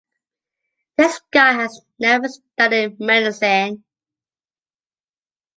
This guy has never studied medicine.